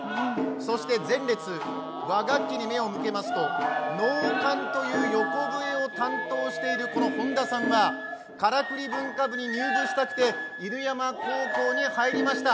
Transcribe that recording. そして前列、和楽器に目を向けますと能管という横笛を担当している本多さんはからくり文化部に入部したくて犬山高校に入りました。